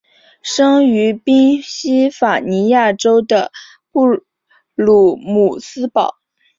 出生于宾夕法尼亚州的布卢姆斯堡。